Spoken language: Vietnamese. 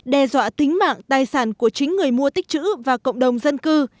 đe dọa tính mạng tài sản của chính người mua tích chữ và cộng đồng dân cư